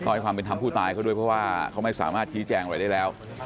ให้ความเป็นธรรมผู้ตายเขาด้วยเพราะว่าเขาไม่สามารถชี้แจงอะไรได้แล้ว